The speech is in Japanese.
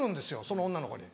その女の子に。